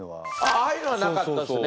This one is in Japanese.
ああいうのはなかったですね。